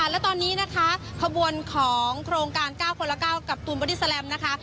และตอนนี้นะคะขบวนของโครงการ๙คนละ๙กับตูนบอดี้แลมนะคะ